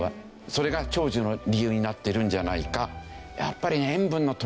それが長寿の理由になっているんじゃないか。